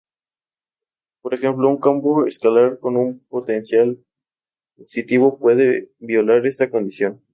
Por ejemplo, un campo escalar con un potencial positivo puede violar esta condición.